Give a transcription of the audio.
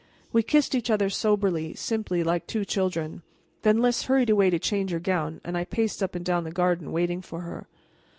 We kissed each other soberly, simply, like two children. Then Lys hurried away to change her gown, and I paced up and down the garden waiting for her.